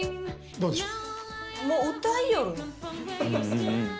どうでしょう？